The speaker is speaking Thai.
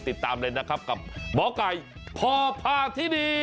ติดตามเลยนะครับกับหมอไก่พอพาที่นี่